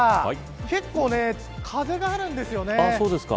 結構、風があるんですよね。